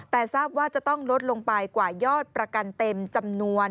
แต่ทราบว่าจะต้องลดลงไปกว่ายอดประกันเต็มจำนวน